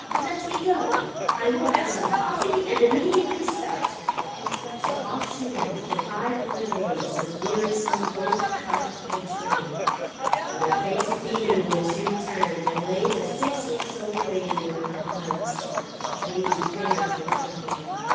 "Let me go! I will have some coffee, and immediately start!" So off she went for five more days of wearisome bullock cart and train. But her face beamed when she returned and laid a six weeks old baby in our arms a baby fair to look upon.